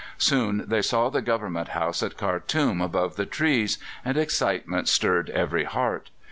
Soon they saw the Government House at Khartoum above the trees, and excitement stirred every heart.